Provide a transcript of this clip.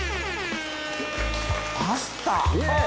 「パスタ？